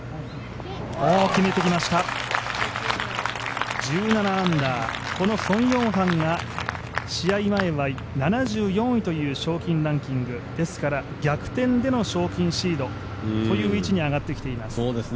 決めてきました、１７アンダー、このソン・ヨンハンが試合前は７４位という賞金ランキングですから逆転での賞金シードという位置に上がってきています。